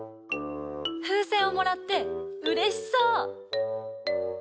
ふうせんをもらってうれしそう！